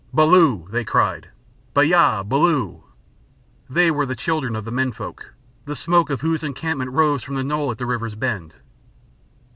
"Boloo!" they cried. "Baayah. Boloo!" They were the children of the men folk, the smoke of whose encampment rose from the knoll at the river's bend.